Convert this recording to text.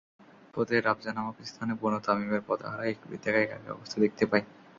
পথে রাবযা নামক স্থানে বনু তামীমের পথহারা এক বৃদ্ধাকে, একাকী অবস্থায় দেখতে পাই।